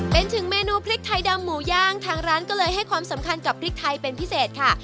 เป็นถึงเมนูพริกไทยดำหมูย่างทางร้านก็เลยให้ความสำคัญกับพริกไทยเป็นพิเศษค่ะ